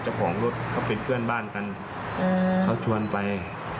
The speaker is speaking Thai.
เจ้าของรถเขาเป็นเพื่อนบ้านกันเขาชวนไป